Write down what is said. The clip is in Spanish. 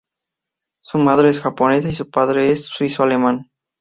Su madre es japonesa y su padre es suizo alemán.